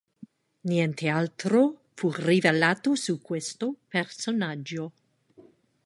Niente altro fu rivelato su questo personaggio.